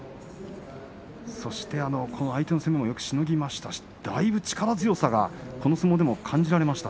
そして相手の攻めもよくしのぎましたし、だいぶ力強さがこの相撲では感じられました。